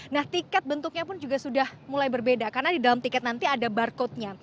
nah tiket bentuknya pun juga sudah mulai berbeda karena di dalam tiket nanti ada barcode nya